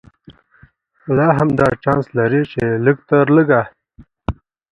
لا هم دا چانس لري چې لږ تر لږه.